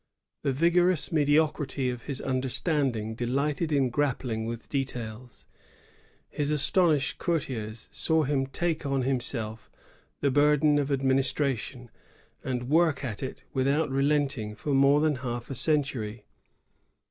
The vigorous mediocrity of his understanding delighted in grappling with details. HiB astonished courtiers saw him take on himself the burden of administration, and work at it without 282 ROYAL INTERVENTION. [1661. relenting for more than half a century.